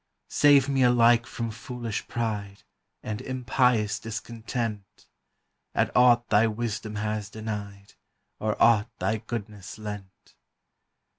Save me alike from foolish pride And impious discontent At aught thy wisdom has dented, Or aught thy goodness lent.